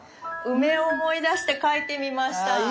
梅を思い出して描いてみました。